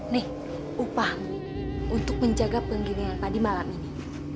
nih upah untuk menjaga penggilingan padi malam ini